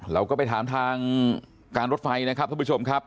เราก็ไปถามทางการรถไฟนะครับท่านผู้ชมครับ